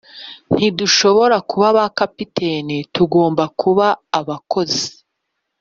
ntidushobora kuba ba capitaine, tugomba kuba abakozi,